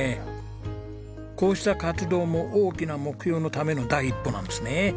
こうした活動も大きな目標のための第一歩なんですね。